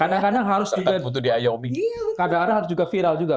kadang kadang harus juga butuh diayomi kadang harus juga viral juga